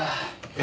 え？